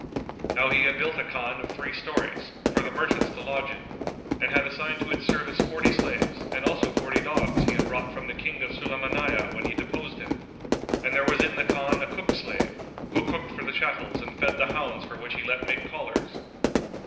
Now he had built a Khan of three stories, for the merchants to lodge in, and had assigned to its service forty slaves and also forty dogs he had brought from the King of the Sulaymániyah,[FN#213] when he deposed him; and there was in the Khan a cook slave, who cooked for the chattels and fed the hounds for which he let make collars.